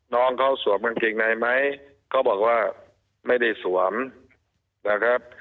น้องเขาสวมกางเกงในไหมเขาบอกว่าไม่ได้สวมนะครับ